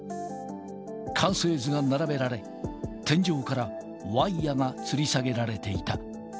完成図が並べられ、天井からワイヤがつり下げられていた。